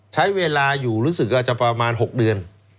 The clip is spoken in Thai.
ใช้เวลาอยู่รู้สึกอาจจะประมาณ๖เดือน